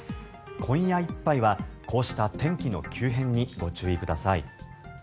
今夜いっぱいはこうした天気の急変にご注意ください。